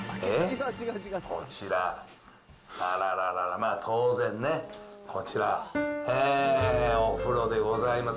こちら、あらららら、まあ当然ね、こちら、お風呂でございます。